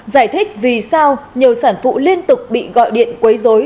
giải thích vì sao nhiều sản phụ liên tục bị gọi điện quấy dối